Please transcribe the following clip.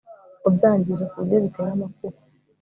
ubyangije ku buryo bitera amakuba